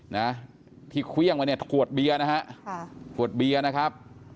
นะที่เครื่องไว้เนี่ยขวดเบียร์นะฮะค่ะขวดเบียร์นะครับ